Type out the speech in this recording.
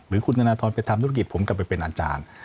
หรือคุณธนทรไปทำธุรกิจผมกลับไปเป็นอาจารย์